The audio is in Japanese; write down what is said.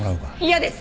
嫌です。